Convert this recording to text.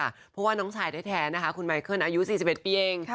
เพราะว่าน้องชายแท้นะคะคุณไมเคิลอายุ๔๑ปีเอง